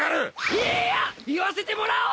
いい筺言わせてもらおう！